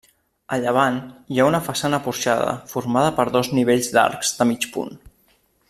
A llevant hi ha una façana porxada formada per dos nivells d'arcs de mig punt.